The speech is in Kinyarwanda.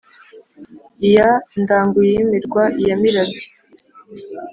ya ndaguyimirwa ya mirabyo